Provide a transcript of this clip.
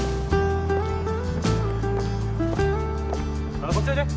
ほらこっちおいで！